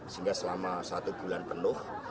sehingga selama satu bulan penuh